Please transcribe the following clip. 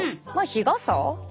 日傘。